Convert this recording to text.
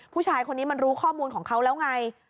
ผู้ชายคนนี้มันรู้ข้อมูลของเขาแล้วไง